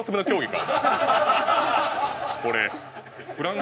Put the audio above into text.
これ。